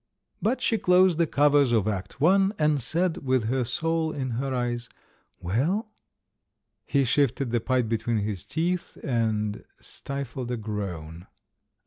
But she closed the covers of Act I., and said, with her soul in her eves, "Well?" He shifted the pipe between his teeth, and stifled a groan.